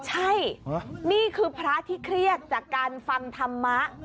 ใช่นี่คือพระที่เครียดจากการฟังธรรมะ